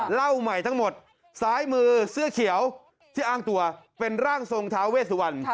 เล่าใหม่ทั้งหมดซ้ายมือเสื้อเขียวที่อ้างตัวเป็นร่างทรงท้าเวสวัน